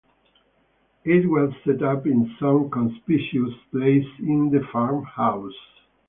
It was set up in some conspicuous place in the farmhouse.